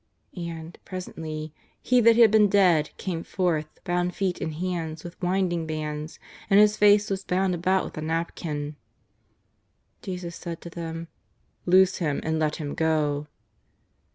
And, presently, he that had been dead came forth, bound feet and hands with winding bands, and his face was bound about with a napkin. Jesus said to them :" Loose him and let him go."